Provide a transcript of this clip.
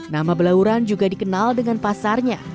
nama belauran juga dikenal dengan pasarnya